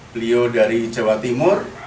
beliau dari jawa timur